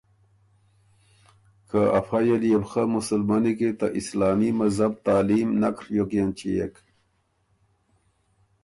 که افئ ال يې بو خه مسلمنی کی ته اسلامی مذهب تعلیم نک ڒیوک اېنچيېک